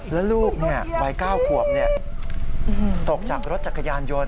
แล้วลูกวัย๙ขวบตกจากรถจักรยานยนต